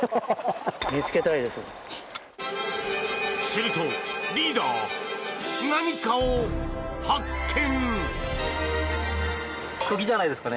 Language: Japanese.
するとリーダー、何かを発見！